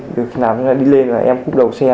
từ khi nào đi lên là em cúp đầu xe